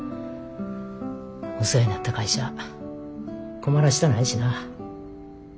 お世話になった会社困らしたないしな。